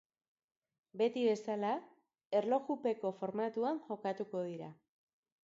Beti bezala, erlojupeko formatuan jokatuko dira.